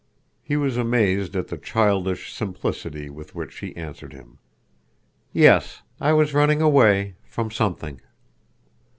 He was amazed at the childish simplicity with which she answered him. "Yes, I was running away—from something."